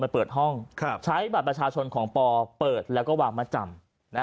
เปิดห้องใช้บัตรประชาชนของปอเปิดแล้วก็วางมาจำ